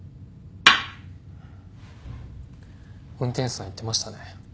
運転手さん言ってましたね。